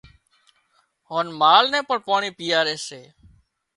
هانَ مال نين پاڻي پيئاري سي